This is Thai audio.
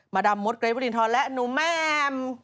มาดามมธเกรบินทรและหนูแมม